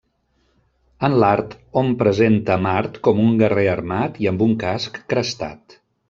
En l'art, hom presenta Mart com un guerrer armat i amb un casc crestat.